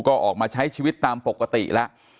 ก็ออกมาใช้ชีวิตตามปกติแล้ว